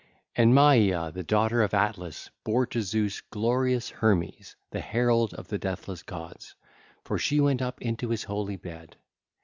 (ll. 938 939) And Maia, the daughter of Atlas, bare to Zeus glorious Hermes, the herald of the deathless gods, for she went up into his holy bed.